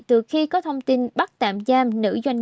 từ khi có thông tin bắt tạm giam nữ doanh